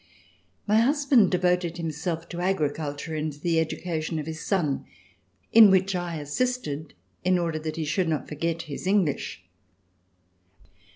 My husband devoted himself to agriculture and the education of his son, in which I assisted in order that he should not forget his English.